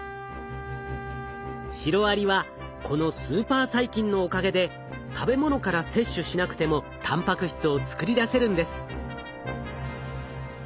シロアリはこのスーパー細菌のおかげで食べ物から摂取しなくてもたんぱく質を作り出せるんです。